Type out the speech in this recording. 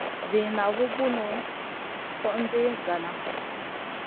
Ziina vu Bun kogndi ngaana.